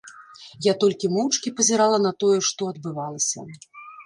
Я толькі моўчкі пазірала на тое, што адбывалася.